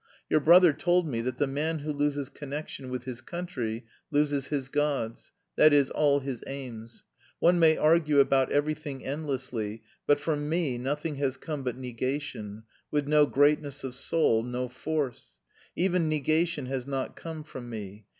Your brother told me that the man who loses connection with his country loses his gods, that is, all his aims. One may argue about everything endlessly, but from me nothing has come but negation, with no greatness of soul, no force. Even negation has not come from me.